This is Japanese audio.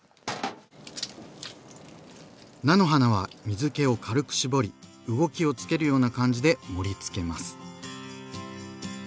菜の花は水けを軽く絞り動きをつけるような感じで盛りつけます。